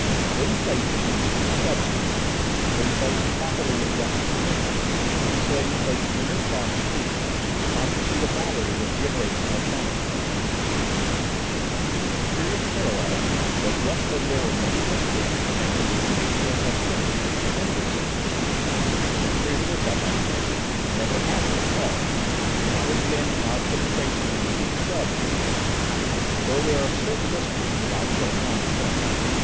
Thin plates of these two substances, when placed properly in juxtaposition, with insulating plates of inertron between, constitute a battery which generates an ultronic current. And it is a curious parallel that just as there were many mysteries connected with the nature of electricity in the Twentieth Century (mysteries which, I might mention, never have been solved, notwithstanding our penetration into the "sub " orders) so there are certain mysteries about the ultronic current.